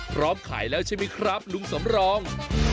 พร้อมขายแล้วใช่ไหมครับลุงสำรอง